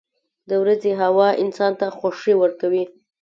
• د ورځې هوا انسان ته خوښي ورکوي.